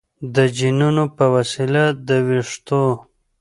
د جینونو په وسیله د ویښتو